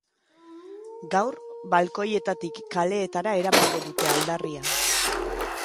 Gaur, balkoietatik kaleetara eramango dute aldarria.